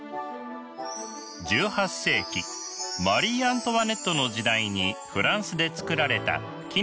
１８世紀マリー・アントワネットの時代にフランスで作られた絹のドレス。